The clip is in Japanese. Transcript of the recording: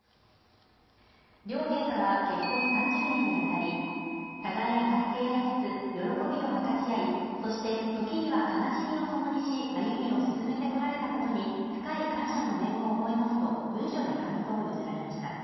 両陛下は結婚３０年にあたり、互いに助け合いつつ、喜びを分かち合い、そして時には悲しみをともにし、歩みを進めてこられたことに深い感謝の念を覚えますと文書で感想を寄せられました。